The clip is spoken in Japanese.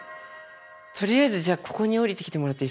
とりあえずじゃあここに降りてきてもらっていいっすか。